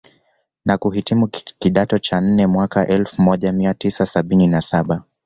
na kuhitimu kidato cha nne mwaka Elfu moja mia tisa sabini na saba